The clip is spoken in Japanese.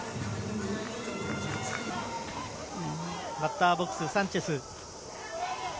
バッターボックスサンチェス。